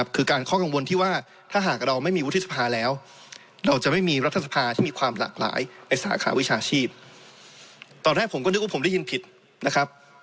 ผมก็นึกว่าผมได้ยินผิดนะครับ